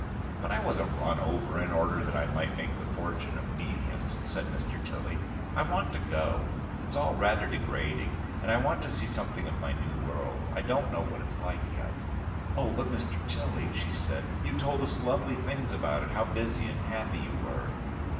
"But I wasn't run over in order that I might make the fortune of mediums," said Mr. Tilly. "I want to go: it's all rather degrading. And I want to see something of my new world. I don't know what it's like yet." "Oh, but, Mr. Tilly," said she. "You told us lovely things about it, how busy and happy you were."